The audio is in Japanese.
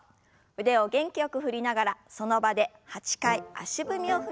腕を元気よく振りながらその場で８回足踏みを踏みます。